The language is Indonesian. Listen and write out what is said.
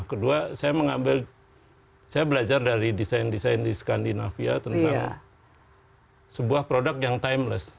kedua saya mengambil saya belajar dari desain desain di skandinavia tentang sebuah produk yang timeless